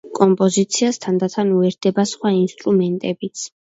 კომპოზიციას თანდათან უერთდება სხვა ინსტრუმენტებიც.